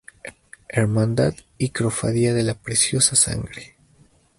Hermandad y Cofradía de La Preciosa Sangre.